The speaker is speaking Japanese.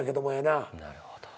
なるほど。